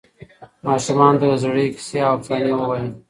ماشومانو ته د زړې کیسې او افسانې ووایئ.